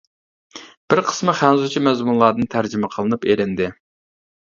بىر قىسمى خەنزۇچە مەزمۇنلاردىن تەرجىمە قىلىنىپ ئېلىندى.